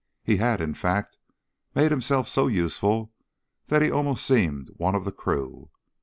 He had, in fact, made himself so useful that he almost seemed one of the crew.